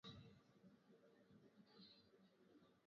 Kuna samadi za kuku